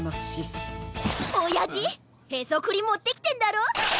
おやじへそくりもってきてんだろ？